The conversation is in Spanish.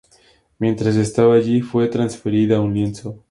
Mientras estaba allí, fue transferida a un lienzo.